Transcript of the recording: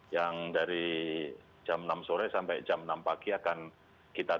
yang dari jam enam sore sampai jam enam pagi akan kita tutup